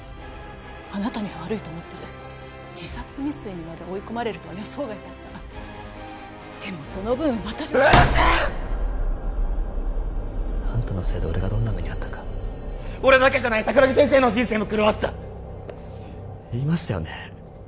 あなたには悪いと思ってる自殺未遂にまで追い込まれるとは予想外だったでもその分私うるせえ！あんたのせいで俺がどんな目に遭ったか俺だけじゃない桜木先生の人生も狂わせた言いましたよね？